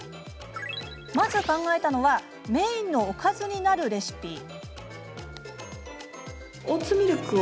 まず考えたのはメインのおかずになるレシピ。